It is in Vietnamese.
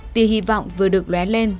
tìa hy vọng vừa được lé lên